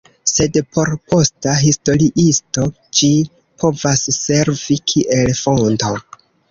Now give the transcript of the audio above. Sed por posta historiisto ĝi povas servi kiel fonto.